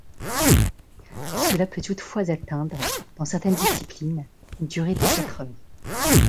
Cela peut toutefois atteindre, dans certaines disciplines, une durée de quatre heures.